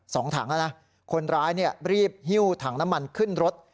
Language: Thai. สองถังแล้วนะคนร้ายเนี่ยรีบหิ้วถังน้ำมันขึ้นรถ